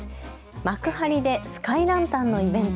幕張でスカイランタンのイベント